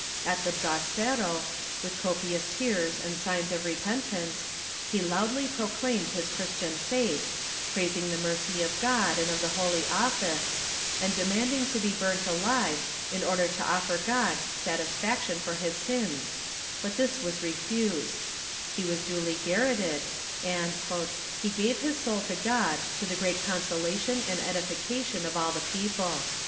At the brasero, with copious tears and signs of repentance, he loudly proclaimed his Christian faith, praising the mercy of God and of the Holy Office and demanding to be burnt alive, in order to offer to God satis faction for his sins, but this was refused; he was duly garrotted and "he gave his soul to God to the great consolation and edifi cation of all the people."